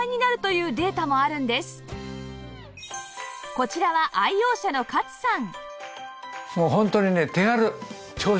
こちらは愛用者の勝さん